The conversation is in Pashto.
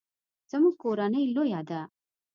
زموږ کورنۍ لویه ده